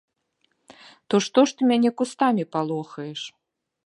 То што ж ты мяне кустамі палохаеш?